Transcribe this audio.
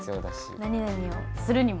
何何をするにも。